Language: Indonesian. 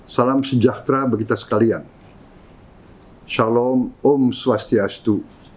salam sejahtera bagi kita sekalian shalom om swastiastu